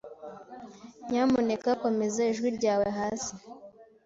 Nyamuneka komeza ijwi ryawe hasi.